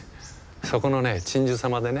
そこのね鎮守様でね。